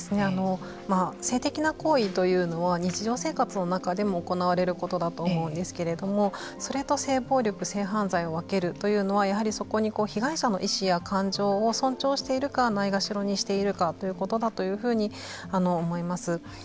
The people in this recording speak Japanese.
性的な行為というのは日常生活の中でも行われることだと思うんですけれどもそれと性暴力、性犯罪を分けるというのはやはりそこに被害者の意思や感情を尊重しているかないがしろにしているかということだというふうに思います。